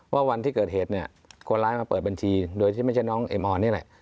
วันที่เกิดเหตุเนี่ยคนร้ายมาเปิดบัญชีโดยที่ไม่ใช่น้องเอ็มออนนี่แหละ